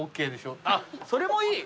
あっそれもいい！